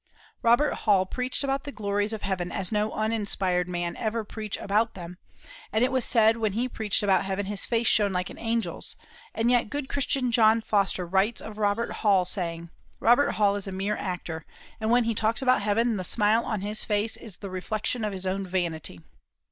Robert Hall preached about the glories of heaven as no uninspired man ever preached about them, and it was said when he preached about heaven his face shone like an angel's, and yet good Christian John Foster writes of Robert Hall, saying: "Robert Hall is a mere actor, and when he talks about heaven the smile on his face is the reflection of his own vanity."